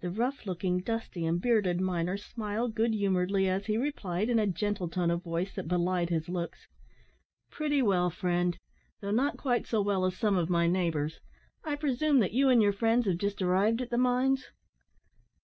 The rough looking, dusty, and bearded miner, smiled good humouredly, as he replied, in a gentle tone of voice that belied his looks "Pretty well, friend; though not quite so well as some of my neighbours. I presume that you and your friends have just arrived at the mines?"